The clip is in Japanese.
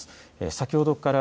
先ほどから。